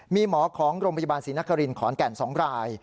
มีหมอของโรงพยาบาลศรีนครินขอนแก่น๒ราย